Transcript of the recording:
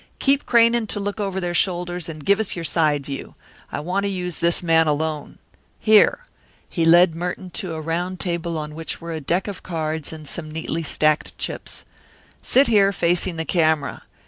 Keep craning to look over their shoulders, and give us your side view. I want to use this man alone. Here." He led Merton to a round table on which were a deck of cards and some neatly stacked chips. "Sit here, facing the camera.